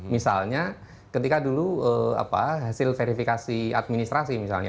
misalnya ketika dulu hasil verifikasi administrasi misalnya